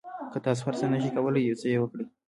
که تاسو هر څه نه شئ کولای یو څه یې وکړئ.